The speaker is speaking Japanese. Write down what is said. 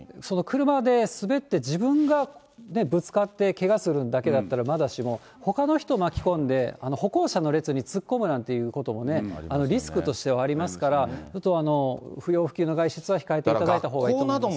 車で滑って自分がぶつかってけがするだけだったらまだしも、ほかの人を巻き込んで、歩行者の列に突っ込むなんていうこともリスクとしてはありますから、不要不急の外出は控えていただいたほうがいいと思いますね。